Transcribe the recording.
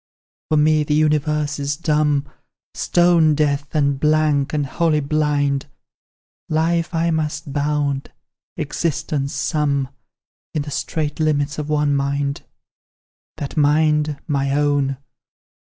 "For me the universe is dumb, Stone deaf, and blank, and wholly blind; Life I must bound, existence sum In the strait limits of one mind; "That mind my own.